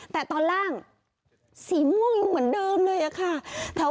แต่ตอนล่างสีม่วงยังเหมือนเดิมเลยอะค่ะ